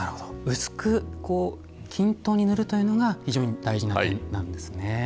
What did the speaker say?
薄く均等に塗るというのが非常に大事な点なんですね。